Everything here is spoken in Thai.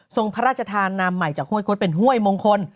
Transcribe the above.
พระราชทานนามใหม่จากห้วยคดเป็นห้วยมงคล